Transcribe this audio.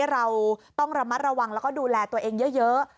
เราต้องระมัดระวังแล้วก็ดูแลตัวเองเยอะ